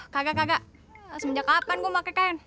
kagak kagak semenjak kapan gue pake kain